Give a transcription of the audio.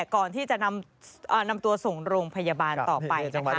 ก่อนที่จะนำตัววิธีส่งโรงพยาบาลต่อไป